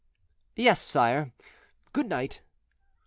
"Yes, sire; good night."